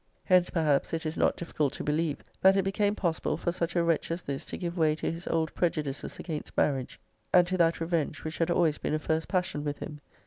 >>> Hence, perhaps, it is not difficult to believe, that it became possible for such a wretch as this to give way to his old prejudices against marriage; and to that revenge which had always been a first passion with him.